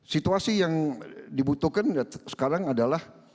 situasi yang dibutuhkan sekarang adalah